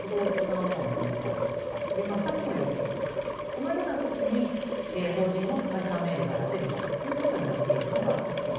このような時に法人の解散命令が出せるということになっているのが一点。